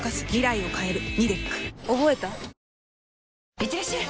いってらっしゃい！